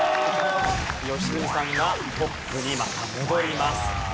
良純さんがトップにまた戻ります。